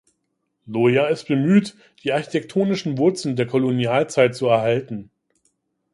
Loja ist bemüht, die architektonischen Wurzeln der Kolonialzeit zu erhalten.